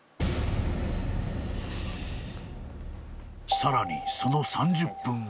☎☎［さらにその３０分後］